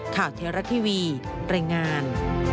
ข่าวเทราทีวีเปรย์งาน